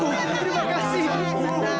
terima kasih ya